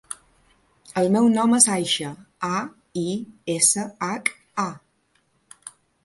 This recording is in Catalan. El meu nom és Aisha: a, i, essa, hac, a.